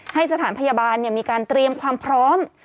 ให้สถานพยาบาลมีการเตรียมความพร้อม